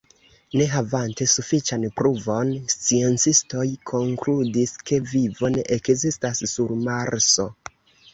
Ne havante sufiĉan pruvon, sciencistoj konkludis, ke vivo ne ekzistas sur Marso.